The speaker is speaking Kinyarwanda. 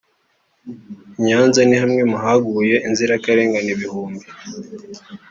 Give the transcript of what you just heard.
I Nyanza ni hamwe mu haguye inzirakarengane ibihumbi